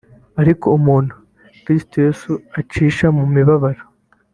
Ariko umuntu Kristo Yesu acisha mu mibabaro